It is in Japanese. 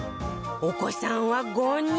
お子さんは５人